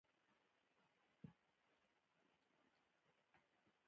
دوکاندار د پیرودونکي خوښي ته اهمیت ورکوي.